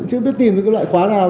chứ biết tìm cái loại khóa nào